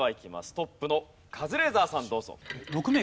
トップのカズレーザーさんどうぞ。